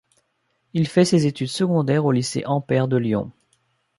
Il fait ses études secondaires au lycée Ampère de Lyon.